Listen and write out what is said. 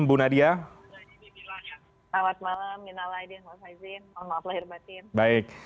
bu nadia selamat malam minal aidin wal faizin mohon maaf lahir batin